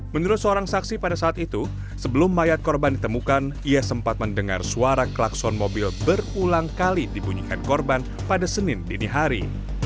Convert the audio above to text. menurut seorang saksi pada saat itu sebelum mayat korban ditemukan ia sempat mendengar suara klakson mobil berulang kali dibunyikan korban pada senin dini hari